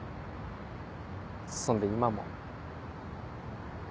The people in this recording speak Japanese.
そんで今も。